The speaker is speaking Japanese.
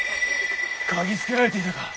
嗅ぎつけられていたか！